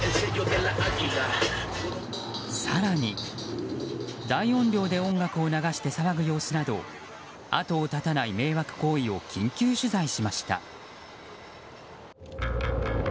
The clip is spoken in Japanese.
更に、大音量で音楽を流して騒ぐ様子など後を絶たない迷惑行為を緊急取材しました。